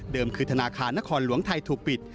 คือธนาคารนครหลวงไทยถูกปิด